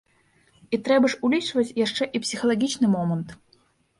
І трэба ж улічваць яшчэ і псіхалагічны момант.